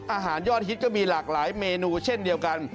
อาหารยอดฮิตก็มีหลากหลายเมนูเช่นเดียวกัน